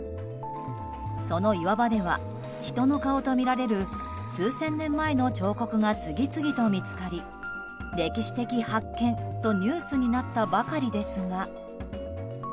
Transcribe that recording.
その岩場では人の顔とみられる数千年前の彫刻が次々と見つかり、歴史的発見とニュースになったばかりですが。